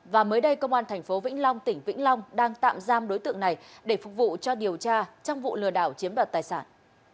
và mới đây công an tp vĩnh long tỉnh vĩnh long đang tạm giam đối tượng này để phục vụ cho điều tra trong vụ lừa đảo chiếm đoạt tài sản